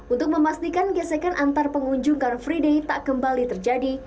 untuk memastikan gesekan antar pengunjung car free day tak kembali terjadi